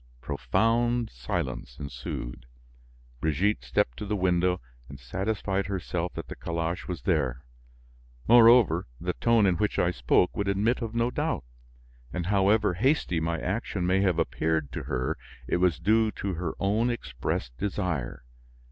Profound silence ensued. Brigitte stepped to the window and satisfied herself that the calash was there. Moreover, the tone in which I spoke would admit of no doubt, and, however hasty my action may have appeared to her, it was due to her own expressed desire.